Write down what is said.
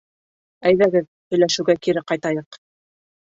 Әйҙәгеҙ һөйләшеүгә кире ҡайтайыҡ